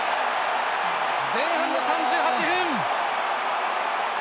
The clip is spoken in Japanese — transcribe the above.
前半の３８分！